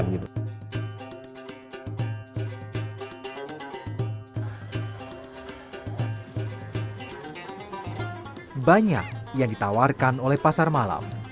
banyak yang ditawarkan oleh pasar malam